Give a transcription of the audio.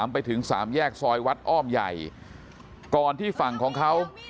ไปถึงสามแยกซอยวัดอ้อมใหญ่ก่อนที่ฝั่งของเขา